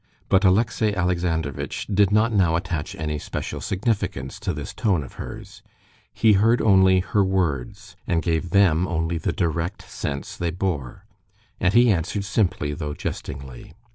But Alexey Alexandrovitch did not now attach any special significance to this tone of hers. He heard only her words and gave them only the direct sense they bore. And he answered simply, though jestingly.